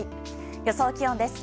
予想気温です。